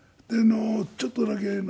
ちょっとだけ。